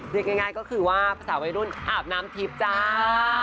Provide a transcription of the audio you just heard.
เรียกง่ายก็คือว่าภาษาวัยรุ่นอาบน้ำทิพย์จ้า